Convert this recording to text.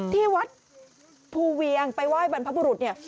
ที่วัดภูเวียงไปไหว้บรรพบุรุษเนี่ย